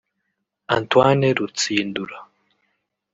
Antoine Rutsindura